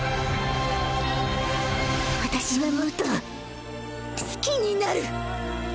私はもっと好きになる！